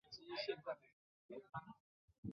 紫果蔺为莎草科荸荠属的植物。